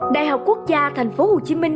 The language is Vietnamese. đại học quốc gia tp hcm